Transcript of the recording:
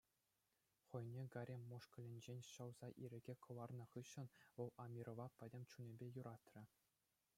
Хӑйне гарем мӑшкӑлӗнчен ҫӑлса ирӗке кӑларнӑ хыҫҫӑн вӑл Амирова пӗтӗм чунӗпе юратрӗ.